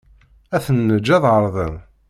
Ad ten-neǧǧ ad ɛerḍen.